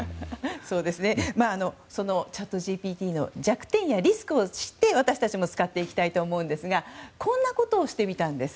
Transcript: チャットＧＰＴの弱点やリスクを知って、私たちも使っていきたいと思うんですがこんなことをしてみました。